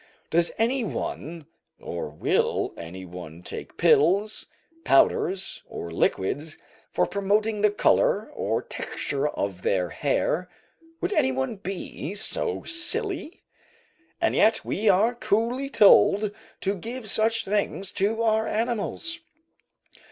Does any one, or will any one take pills, powders, or liquids, for promoting the colour or texture of their hair; would any one be so silly? And yet we are coolly told to give such things to our animals.